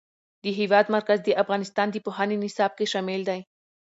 د هېواد مرکز د افغانستان د پوهنې نصاب کې شامل دی.